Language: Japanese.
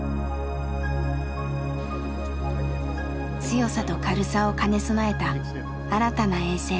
強さと軽さを兼ね備えた新たな衛星。